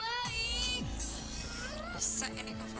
orang orang ada bu